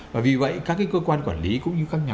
và vì vậy các cơ quan quản lý cũng như các nhà